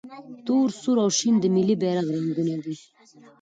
تور، سور او شین د ملي بیرغ رنګونه دي.